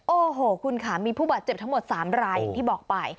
โอ้โหคุณค่ะมีผู้บาดเจ็บทั้งหมด๓รายอย่างที่บอกไป